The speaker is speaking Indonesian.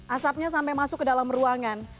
asapnya sampai masuk ke dalam ruangan